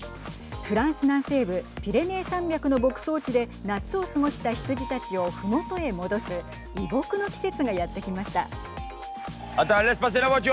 フランス南西部ピレネー山脈の牧草地で夏を過ごした羊たちをふもとへ戻す移牧の季節がやってきました。